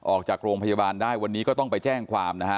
ออกจากโรงพยาบาลได้วันนี้ก็ต้องไปแจ้งความนะฮะ